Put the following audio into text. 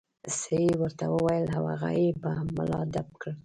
څه یې ورته وویل او هغه یې په ملا ډب کړ.